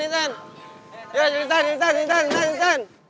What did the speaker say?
ya disan disan disan disan